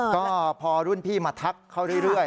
ก็พอรุ่นพี่มาทักเขาเรื่อย